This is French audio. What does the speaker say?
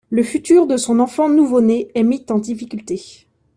Le futur de son enfant nouveau-né est mis en difficulté.